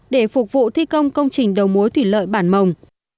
để phục vụ thi công công trình đầu mối thủy lợi bản mồng